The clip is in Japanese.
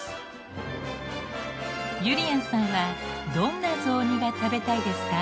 ゆりやんさんはどんな雑煮が食べたいですか？